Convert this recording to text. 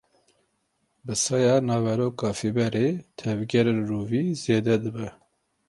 Bi saya naveroka fîberê, tevgerên rûvî zêde dibe.